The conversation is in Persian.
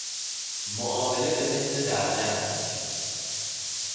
معامله به مثل در جنگ